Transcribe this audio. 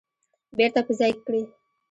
بیرته په ځای کړي